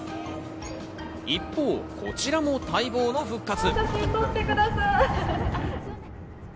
一方、こちらも待望の復活。